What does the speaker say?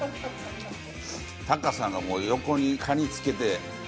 タカさんがもう横にカニ付けて。